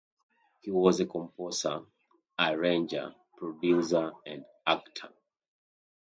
He was a composer, arranger, producer and actor.